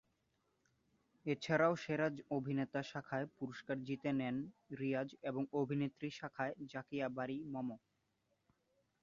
এছাড়াও সেরা অভিনেতা শাখায় পুরস্কার জিতে নেন রিয়াজ এবং অভিনেত্রী শাখায় জাকিয়া বারী মম।